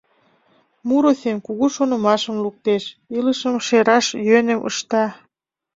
Муро сем кугу шонымашым луктеш, илышым шераш йӧным ышта.